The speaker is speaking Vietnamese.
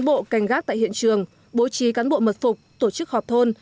bộ canh gác tại hiện trường bố trí cán bộ mật phục tổ chức họp thôn